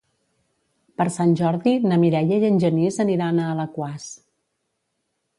Per Sant Jordi na Mireia i en Genís aniran a Alaquàs.